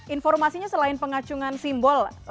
informasinya selain pengacungan simbol